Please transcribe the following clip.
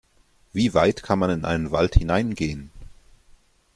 Wie weit kann man in einen Wald hineingehen?